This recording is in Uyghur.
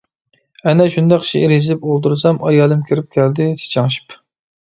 ئەنە شۇنداق شېئىر يېزىپ ئولتۇرسام ئايالىم كىرىپ كەلدى چىچاڭشىپ.